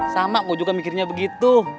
sama gue juga mikirnya begitu